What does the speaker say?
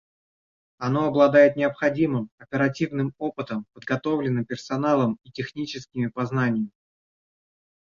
Оно обладает необходимым оперативным опытом, подготовленным персоналом и техническими познаниями.